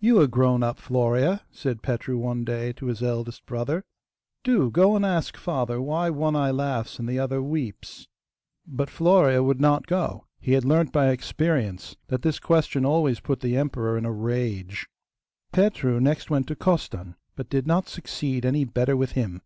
'You are grown up, Florea,' said Petru one day to his eldest brother; 'do go and ask father why one eye laughs and the other weeps.' But Florea would not go. He had learnt by experience that this question always put the emperor in a rage. Petru next went to Costan, but did not succeed any better with him.